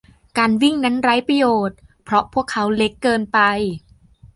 การวิ่งนั้นไร้ประโยชน์เพราะพวกเขาเล็กเกินไป